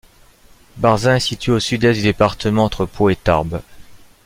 Barzun est situé au sud-est du département, entre Pau et Tarbes.